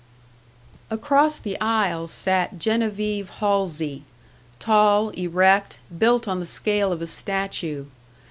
Across the aisle sat Genevieve Halsey: tall, erect, built on the scale of a statue.